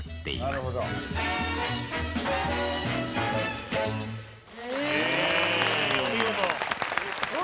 すごい。